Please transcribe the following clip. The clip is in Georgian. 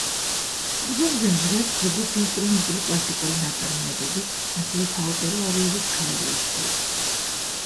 ალბომზე ჟღერს როგორც ინსტრუმენტული კლასიკური ნაწარმოებების, ასევე საოპერო არიების ქავერ-ვერსიები.